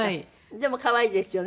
でも可愛いですよね。